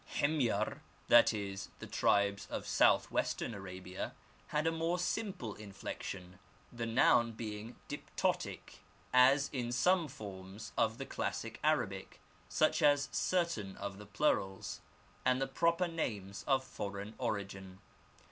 Himyar, that is, the tribes of south western Arabia, had a more simple inflection, the noun being diptotic, as in some forms of the classic Arabic, such as certain of the plurals, and the proper names of foreign origin.